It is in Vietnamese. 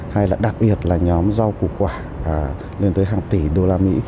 hay là đặc biệt là nhóm giao cụ quả lên tới hàng tỷ usd